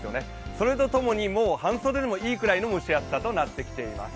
それとともに、もう半袖でもいいくらいの蒸し暑さとなってきています。